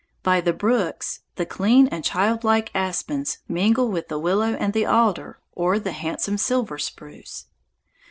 By the brooks the clean and childlike aspens mingle with the willow and the alder or the handsome silver spruce.